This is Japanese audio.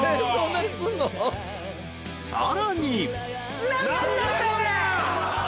［さらに］